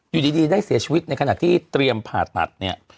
อยู่ดีได้เสียชีวิตในขณะที่เตรียมผ่าตัดเนี่ย